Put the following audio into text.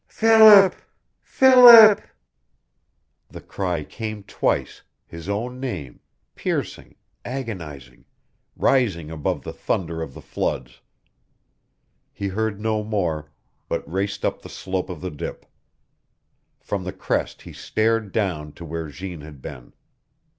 "Philip! Philip!" The cry came twice his own name, piercing, agonizing, rising above the thunder of the floods. He heard no more, but raced up the slope of the dip. From the crest he stared down to where Jeanne had been.